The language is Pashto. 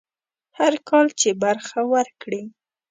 هر کال چې برخه ورکړي.